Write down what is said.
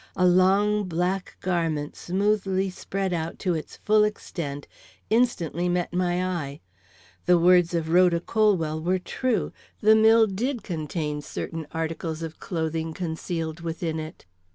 A long, black garment, smoothly spread out to its full extent, instantly met my eye. The words of Rhoda Colwell were true; the mill did contain certain articles of clothing concealed within it.